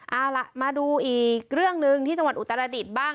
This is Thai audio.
เอาล่ะมาดูอีกเรื่องหนึ่งที่จังหวัดอุตรดิษฐ์บ้าง